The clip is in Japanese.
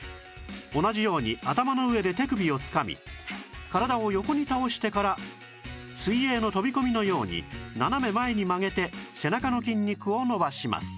同じように頭の上で手首をつかみ体を横に倒してから水泳の飛び込みのように斜め前に曲げて背中の筋肉を伸ばします